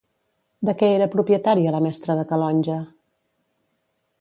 De què era propietària la mestra de Calonge?